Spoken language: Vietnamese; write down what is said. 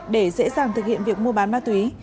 để dễ dàng thực hiện việc mua bán ma túy